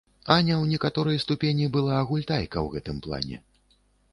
Аня ў некаторай ступені была гультайка ў гэтым плане.